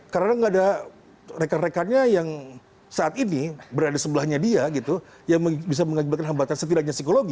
karena nggak ada rekan rekannya yang saat ini berada sebelahnya dia gitu yang bisa menyebabkan hambatan setidaknya psikologis